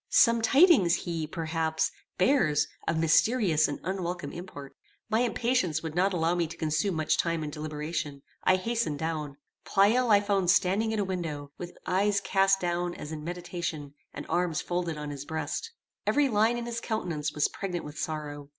Some tidings he, perhaps, bears of mysterious and unwelcome import. My impatience would not allow me to consume much time in deliberation: I hastened down. Pleyel I found standing at a window, with eyes cast down as in meditation, and arms folded on his breast. Every line in his countenance was pregnant with sorrow.